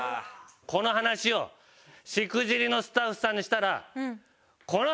この話を『しくじり』のスタッフさんにしたら。